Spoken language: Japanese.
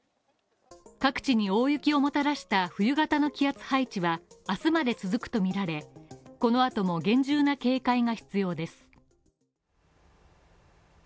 各地に大雪をもたらした冬型の気圧配置は明日まで続くとみられこの後も厳重な警戒が必要です。